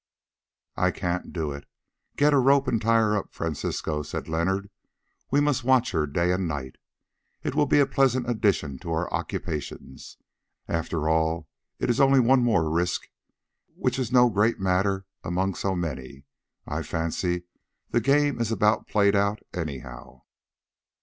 "I can't do it. Get a rope and tie her up, Francisco," said Leonard. "We must watch her day and night; it will be a pleasant addition to our occupations. After all it is only one more risk, which is no great matter among so many. I fancy the game is about played out, anyhow."